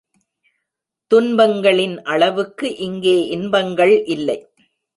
துன்பங்களின் அளவுக்கு இங்கே இன்பங்கள் இல்லை.